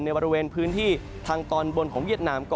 ในบริเวณพื้นที่ทางตอนบนของเวียดนามก่อนะครับ